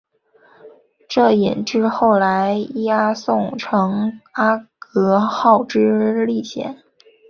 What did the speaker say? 这引致后来伊阿宋乘阿格号之历险。